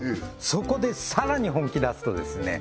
そこでさらに本気出すとですね